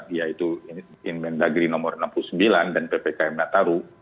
yaitu inmen dagri nomor enam puluh sembilan dan ppkm nataru